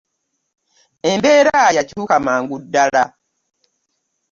Embeera yakyuka mangu ddala.